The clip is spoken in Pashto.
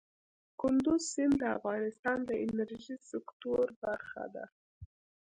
کندز سیند د افغانستان د انرژۍ سکتور برخه ده.